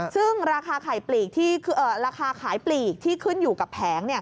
ซึ่งราคาขายปลีกที่ขึ้นอยู่กับแผง